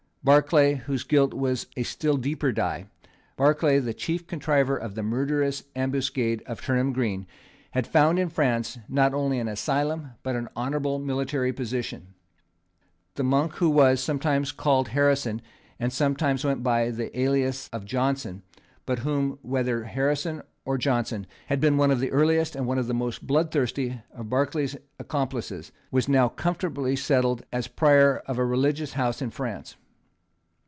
Barclay, whose guilt was of a still deeper dye, Barclay, the chief contriver of the murderous ambuscade of Turnham Green, had found in France, not only an asylum, but an honourable military position. The monk who was sometimes called Harrison and sometimes went by the alias of Johnson, but who, whether Harrison or Johnson, had been one of the earliest and one of the most bloodthirsty of Barclays accomplices, was now comfortably settled as prior of a religious house in France.